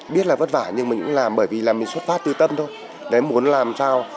biết là vất vả nhưng mình cũng làm bởi vì là mình xuất phát tư tâm thôi đấy muốn làm sao